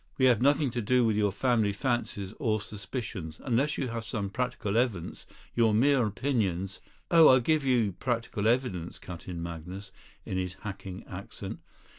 "We have nothing to do with your family fancies or suspicions. Unless you have some practical evidence, your mere opinions " "Oh! I'll give you practical evidence," cut in Magnus, in his hacking accent.